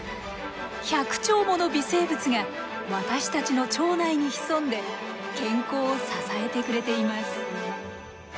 １００兆もの微生物が私たちの腸内に潜んで健康を支えてくれています。